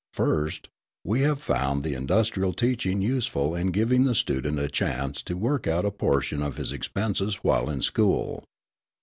First, we have found the industrial teaching useful in giving the student a chance to work out a portion of his expenses while in school.